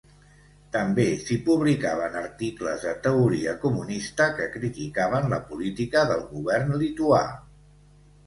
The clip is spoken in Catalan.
També s'hi publicaven articles de teoria comunista que criticaven la política del govern lituà.